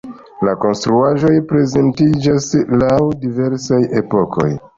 La konstruaĵoj prezentiĝas laŭ diversaj epokoj.